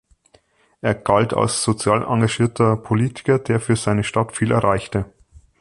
Er galt als sozial engagierter Politiker, der für seine Stadt viel erreichte.